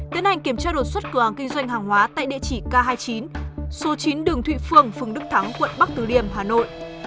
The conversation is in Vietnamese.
tiến hành kiểm tra đột xuất cửa hàng kinh doanh hàng hóa tại địa chỉ k hai mươi chín số chín đường thụy phương phường đức thắng quận bắc từ liêm hà nội